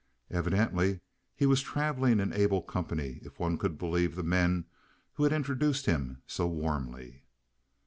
Evidently, he was traveling in able company if one could believe the men who had introduced him so warmly.